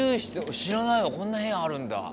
知らないわこんな部屋あるんだ。